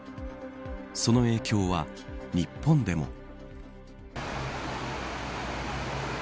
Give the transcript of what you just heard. その影響は日本でも。